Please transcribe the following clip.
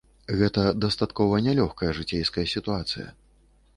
Гэта дастаткова нялёгкая жыцейская сітуацыя.